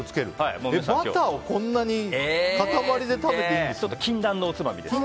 バターをこんなに塊で食べていいんですね。